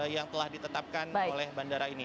yang telah ditetapkan oleh bandara ini